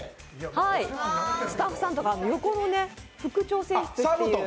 スタッフさんとか向こうの副調整室とか。